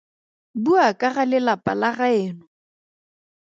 Bua ka ga lelapa la gaeno.